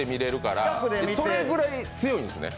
それぐらい強いんですね？